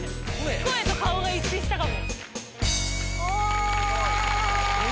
声と顔が一致したかも。